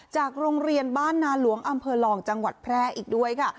จากโรงเรียนบ้านนาหลวงอำเภอลองจังหวัดแพร่อีกด้วยค่ะ